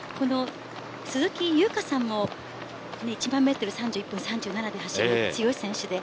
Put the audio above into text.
鈴木優花さんも１万メートル３１分３７で走る強い選手です。